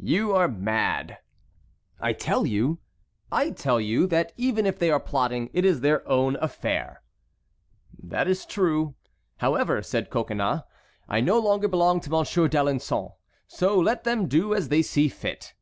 "You are mad." "I tell you"— "I tell you that even if they are plotting it is their own affair." "That is true. However," said Coconnas, "I no longer belong to Monsieur d'Alençon. So let them do as they see fit."